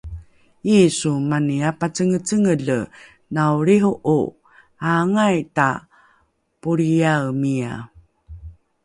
Yisu mani apacengecengele, nao lriho'o aangai ta polriyae miya